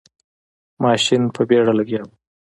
ماشین په بیړه لګیا و.